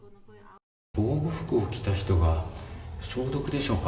防護服を着た人が消毒でしょうか？